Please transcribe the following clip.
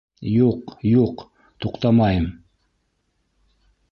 Юҡ, юҡ, туҡтамайым!